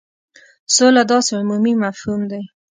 سوله داسي عمومي مفهوم دی.